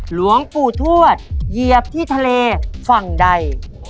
หลวงปู่ทวดเหยียบที่ทะเลฝั่งใด